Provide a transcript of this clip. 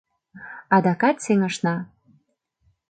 — Адакат сеҥышна.